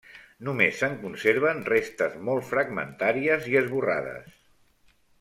Només se'n conserven restes molt fragmentàries i esborrades.